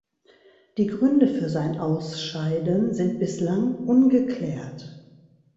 Die Gründe für sein Ausscheiden sind bislang ungeklärt.